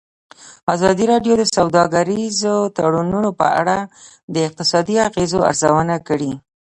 ازادي راډیو د سوداګریز تړونونه په اړه د اقتصادي اغېزو ارزونه کړې.